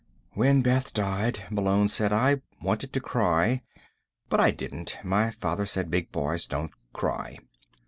"When Beth died," Malone said, "I wanted to cry. But I didn't. My father said big boys don't cry."